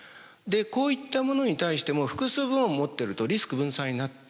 こういったものに対しても複数部門を持っているとリスク分散になって非常にいいんです。